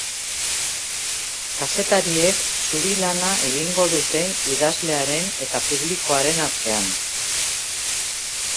Kazetariek zubi lana egingo dute idazlearen eta publikoaren artean.